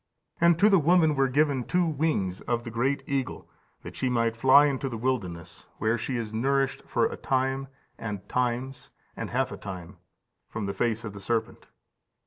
And to the woman were given two wings of the great eagle, that she might fly into the wilderness, where she is nourished for a time, and times, and half a time, from the face of the serpent.